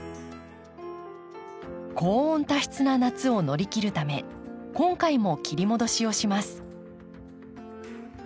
高温多湿な夏を乗り切るため今回も切り戻しをします。